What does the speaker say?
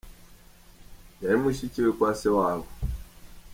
Y ari mushiki we kwa se wabo.